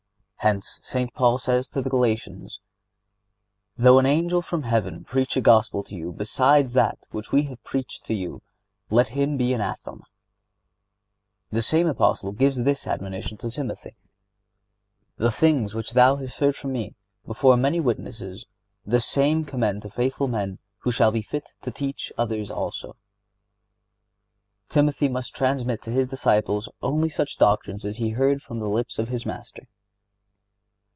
Hence St. Paul says to the Galatians: "Though an angel from heaven preach a Gospel to you beside that which we have preached to you, let him be anathema."(71) The same Apostle gives this admonition to Timothy: "The things which thou hast heard from me before many witnesses the same commend to faithful men who shall be fit to teach others also."(72) Timothy must transmit to his disciples only such doctrines as he heard from the lips of his Master.